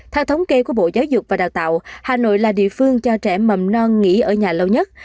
theo thống kê của bộ giáo dục và đào tạo hà nội là địa phương cho trẻ mầm non nghỉ ở nhà lâu nhất